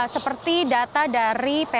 seperti data dari pt